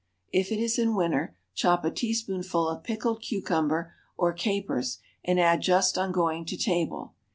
If it is in winter, chop a teaspoonful of pickled cucumber or capers and add just on going to table.